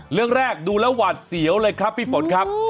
เรื่องแรกดูแล้วหวาดเสียวเลยครับพี่ฝนครับ